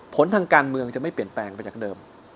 ผลทางการเมืองจะไม่เปลี่ยนแปลงไปจากเดิม